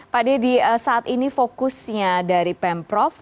pak dedy saat ini fokusnya dari pemprov